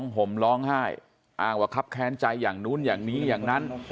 ห่มร้องไห้อ้างว่าครับแค้นใจอย่างนู้นอย่างนี้อย่างนั้น